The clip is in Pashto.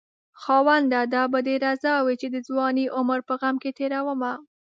خاونده دا به دې رضا وي چې د ځوانۍ عمر په غم کې تېرومه